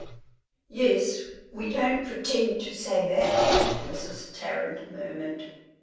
"Yes, we don't pretend to say that," Mrs. Tarrant murmured.